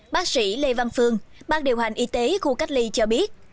bác sĩ lê văn phương bác điều hành y tế khu cách ly cho biết